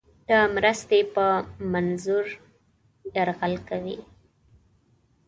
د مرستې په منظور یرغل کوي.